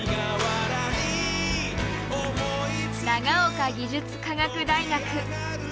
長岡技術科学大学。